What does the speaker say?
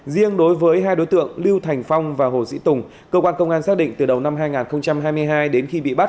riêng đối với hai đối tượng lưu thành phong và hồ sĩ tùng cơ quan công an xác định từ đầu năm hai nghìn hai mươi hai đến khi bị bắt